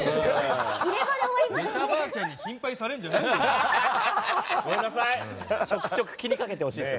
メタばあちゃんに心配されるんじゃないよ。